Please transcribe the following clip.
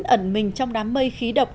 ẩn mình trong đám mây khí độc